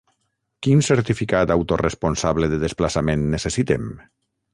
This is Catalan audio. Quin certificat autoresponsable de desplaçament necessitem?